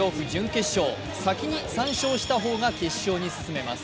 先に３勝した方が決勝に進めます。